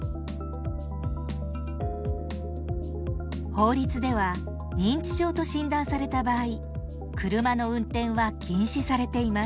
法律では認知症と診断された場合車の運転は禁止されています。